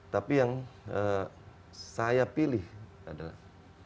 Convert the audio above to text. tapi yang saya pilih adalah